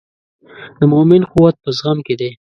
د مؤمن قوت په زغم کې دی.